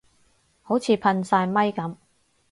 好似噴曬咪噉